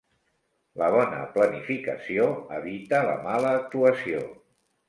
La bona planificació evita la mala actuació.